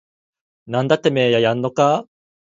なんだててめぇややんのかぁ